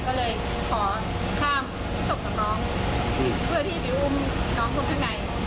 ก็เลยขอข้ามศพกับน้องเพื่อที่ไปอุ้มน้องลงข้างใน